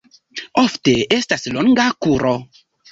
Ofte estas longa kuro.